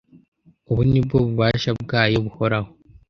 ubu nibwo bubasha bwayo buhoraho